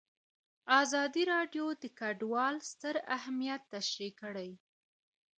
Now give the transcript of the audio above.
ازادي راډیو د کډوال ستر اهميت تشریح کړی.